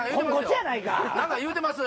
何か言うてます。